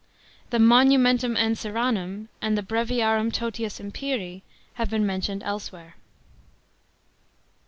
The Monumentum Ancyranum and the Breviarium totius imperil have been mrntioned else where.